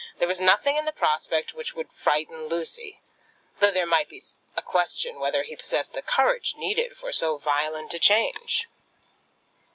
There was nothing in the prospect which would frighten Lucy, though there might be a question whether he possessed the courage needed for so violent a change.